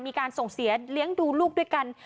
มีการส่งเสียเลี้ยงดูลูกด้วยกัน